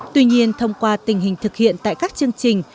tuy nhiên thông qua tình hình thực hiện tại các chương trình